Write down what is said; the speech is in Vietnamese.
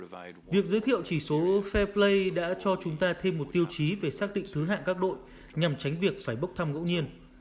vì vậy việc giới thiệu chỉ số fair play đã cho chúng ta thêm một tiêu chí về xác định thứ hạng các đội nhằm tránh việc phải bốc thăm ngẫu nhiên